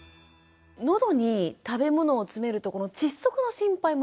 喉に食べ物を詰めると窒息の心配もありますよね。